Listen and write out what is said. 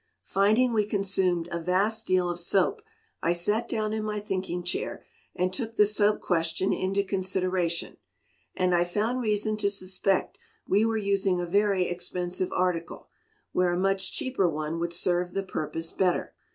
Finding we consumed a vast deal of soap, I sat down in my thinking chair, and took the soap question into consideration, and I found reason to suspect we were using a very expensive article, where a much cheaper one would serve the purpose better.